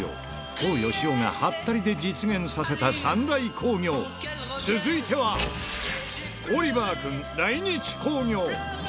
康芳夫がハッタリで実現させた３大工業、続いては、オリバー君来日興行。